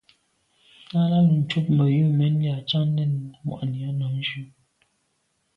Náná lùcúp mbə̄ jə̂nə̀ mɛ́n lî à’ cák nɛ̂n mwà’nì á nǎmjʉ́.